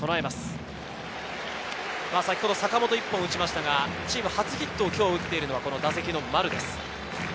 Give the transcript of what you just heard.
坂本、先ほど１本打ちましたが、チーム初ヒットを打っているのは打席の丸です。